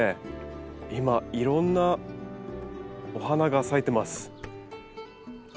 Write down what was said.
今いろんなお花が咲いてます。